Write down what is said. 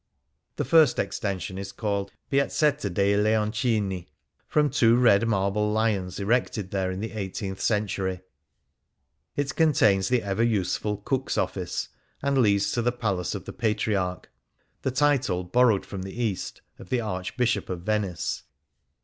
The first extension is called '' Piazzetta dei Leoncini," from two red marble lions erected there in the eighteenth century. It contains the ever useful Cook's Office, and leads to the Palace of the Patriarch — the title, borrowed from the East, of the Archbishop of Venice.